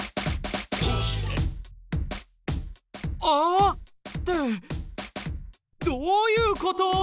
「あっ！」ってどういうこと？